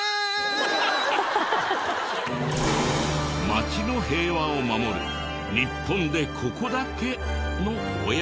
街の平和を守る日本でここだけの親子。